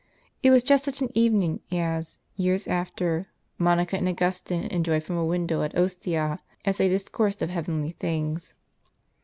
It was just such an evening as, years after, Monica and A.ugustine enjoyed from a window at Ostia, as they discoursed of heavenly things.